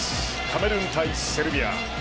カメルーン対セルビア。